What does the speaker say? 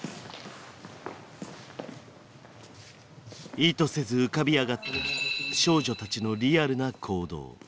意図せず浮かび上がった少女たちのリアルな行動。